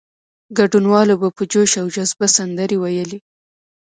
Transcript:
ګډونوالو به په جوش او جذبه سندرې ویلې.